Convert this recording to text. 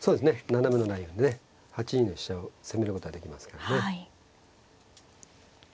斜めのラインね８二の飛車を攻めることができますからね。